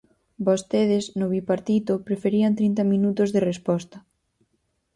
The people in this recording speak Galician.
Vostedes, no Bipartito, preferían trinta minutos de resposta.